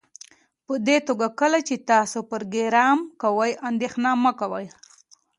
پدې توګه کله چې تاسو پروګرام کوئ اندیښنه مه کوئ